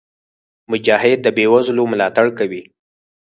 مجاهد د بېوزلو ملاتړ کوي.